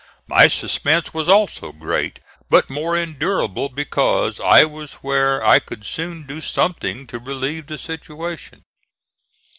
My suspense was also great, but more endurable, because I was where I could soon do something to relieve the situation.